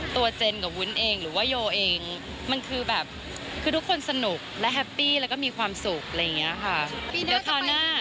เจนกับวุ้นเองหรือว่าโยเองมันคือแบบคือทุกคนสนุกและแฮปปี้แล้วก็มีความสุขอะไรอย่างเงี้ยค่ะ